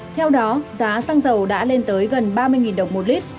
theo đó giá xăng dầu đã lên tới gần ba mươi đồng một lít